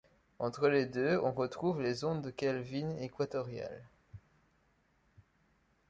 Entre les deux, on retrouve les ondes de Kelvin équatoriales.